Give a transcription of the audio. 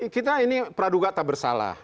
kita ini praduga tak bersalah